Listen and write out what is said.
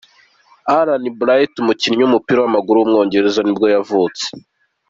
Alan Wright, umukinnyi w’umupira w’amaguru w’umwongereza nibwo yavutse.